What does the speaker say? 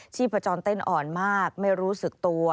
ชีพจรเต้นอ่อนมากไม่รู้สึกตัว